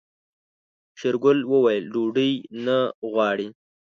شېرګل وويل ډوډۍ نه غواړي.